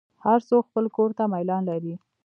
هر څوک خپل کور ته میلان لري.